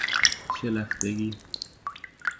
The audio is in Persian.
شلختگی